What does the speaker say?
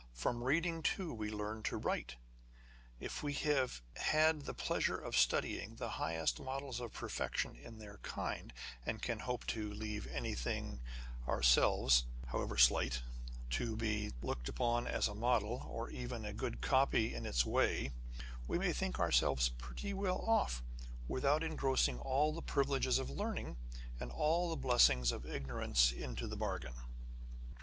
From reading too, we learn to write. If we have had the pleasure of studying the highest models of perfection in their kind, and can hope to leave anything ourselves, however slight, to be looked upon as a model, or even a good copy in its way, we may think ourselves pretty well off, without engrossing all the privileges of learning, and all the blessings of ignorance into the bargain.